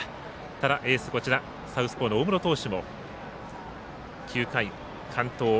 ただ、エースサウスポーの大室投手も９回完投。